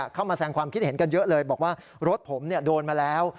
เข้ามาแสงความคิดเห็นกันเยอะเลยบอกว่ารถผมโดนมาแล้ว